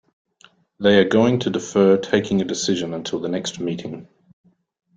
They are going to defer taking a decision until the next meeting.